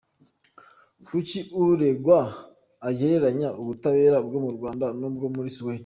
Kuki uregwa agereranya ubutabera bwo mu Rwanda n’ubwo muri Suwede?